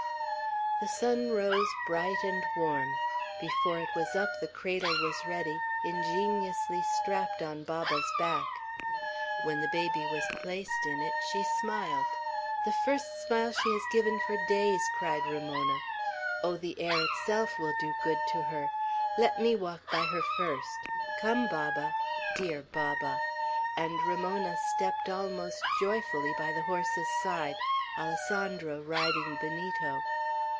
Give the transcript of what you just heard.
The sun rose bright and warm. Before it was up, the cradle was ready, ingeniously strapped on Baba's back. When the baby was placed in it, she smiled. "The first smile she has given for days," cried Ramona. "Oh, the air itself will do good to her! Let me walk by her first! Come, Baba! Dear Baba!" and Ramona stepped almost joyfully by the horse's side, Alessandro riding Benito.